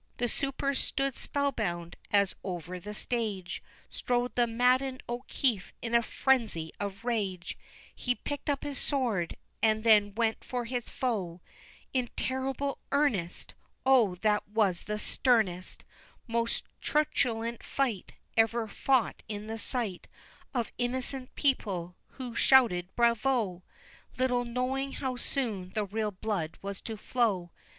The supers stood spellbound, as over the stage Strode the maddened O'Keefe; in a frenzy of rage He picked up his sword, and then went for his foe In terrible earnest. Oh, that was the sternest, Most truculent fight Ever fought in the sight Of innocent people, who shouted "Bravo!" Little knowing how soon the real blood was to flow.